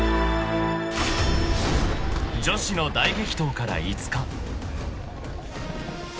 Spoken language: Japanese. ［女子の大激闘から５日］